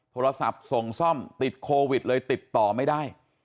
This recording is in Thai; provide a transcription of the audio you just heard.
โทรศัพท์ส่งซ่อมติดโควิดเลยติดต่อไม่ได้